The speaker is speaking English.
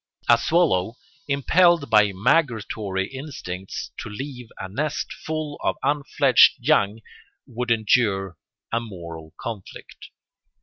A swallow, impelled by migratory instincts to leave a nest full of unfledged young, would endure a moral conflict.